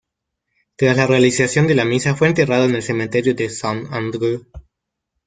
Tras la realización de la misa fue enterrado en el cementerio de Sant Andreu.